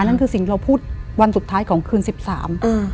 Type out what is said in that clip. อันนั้นคือสิ่งที่เราพูดวันสุดท้ายของคืนสิบสาม